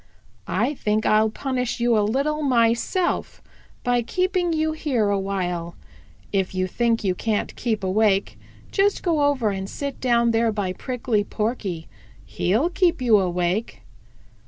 I think I'll punish you a little myself by keeping you here a while. If you think you can't keep awake, just go over and sit down there by Prickly Porky; he'll keep you awake."